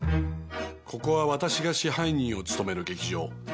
ここは私が支配人を務める劇場。